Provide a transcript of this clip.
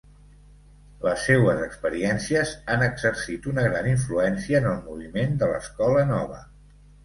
Les seues experiències han exercit una gran influència en el moviment de l'escola nova.